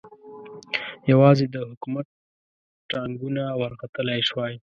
یوازې د حکومت ټانګونه ورختلای شوای.